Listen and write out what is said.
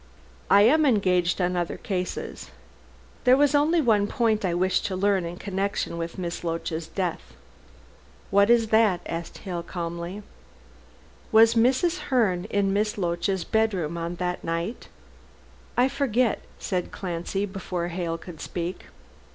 "I am engaged on other cases. There was only one point I wished to learn in connection with Miss Loach's death." "What is that?" asked Hale calmly. "Was Mrs. Herne in Miss Loach's bedroom on that night?" "I forget," said Clancy before Hale could speak.